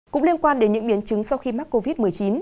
cũng liên quan đến những biến chứng sau khi mắc covid một mươi chín